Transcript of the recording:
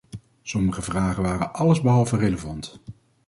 Sommige vragen waren allesbehalve relevant.